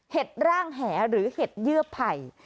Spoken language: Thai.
ร่างแหหรือเห็ดเยื่อไผ่